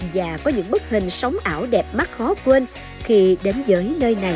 và có những bức hình sóng ảo đẹp mắt khó quên khi đến giới nơi này